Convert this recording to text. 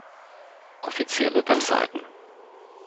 Offizielle Webseiten